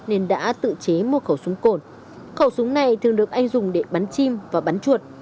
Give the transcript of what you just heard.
nên đã tự chế một khẩu súng cồn khẩu súng này thường được anh dùng để bắn chim và bắn chuột